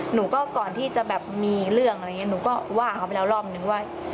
หนูก็ก่อนที่จะแบบมีเรื่องอะไรอย่างนี้หนูก็ว่าเขาไปแล้วรอบนึงว่า